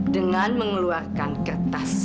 dengan mengeluarkan kertas